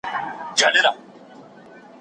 شاعر د خپل کلام په پای کې د وصال دعا کوي.